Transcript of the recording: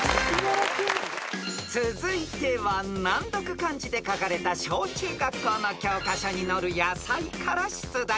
［続いては難読漢字で書かれた小中学校の教科書に載る野菜から出題］